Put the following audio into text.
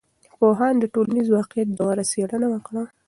پوهانو د ټولنیز واقعیت ژوره څېړنه وکړه.